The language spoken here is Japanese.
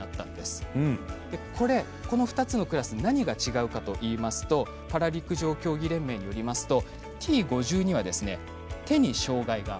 これ、この２つのクラス何が違うかと言いますとパラ陸上競技連盟によりますとＴ５２は手に障がいがあるんです。